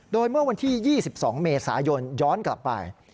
โดยเมื่อวันที่๒๒เมษายนย้อนกลับไป